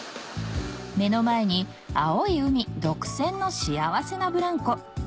目の前に青い海独占の幸せなブランコ